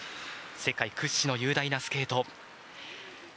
世界屈指の雄大なスケート。